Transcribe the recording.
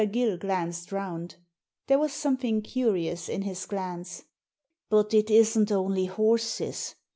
Gill glanced round There was something curious in his glance. ''But it isn't only horses.